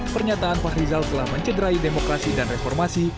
pernyataan fahrizal telah mencederai demokrasi dan reformasi